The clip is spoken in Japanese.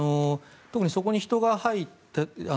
特にそこが人が入ったり。